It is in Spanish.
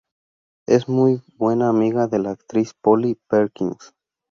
Es muy buena amiga de la actriz Polly Perkins.